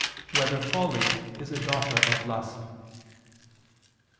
3] Whether Folly Is a Daughter of Lust?